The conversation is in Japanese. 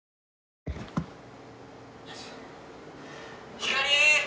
ひかり！